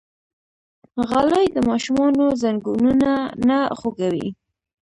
غالۍ د ماشومانو زنګونونه نه خوږوي.